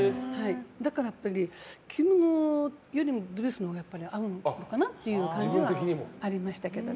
だから、やっぱり着物よりドレスのほうが合うのかなっていうのはありましたけどね。